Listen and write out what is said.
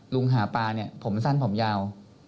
ลุงหาปลาผมสั้นผมยาว